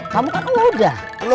kamu kan udah